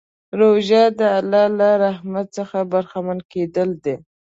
روژه د الله له رحمت څخه برخمن کېدل دي.